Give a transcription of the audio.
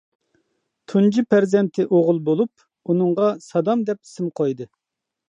تۇنجى پەرزەنتى ئوغۇل بولۇپ، ئۇنىڭغا «سادام» دەپ ئىسىم قويدى.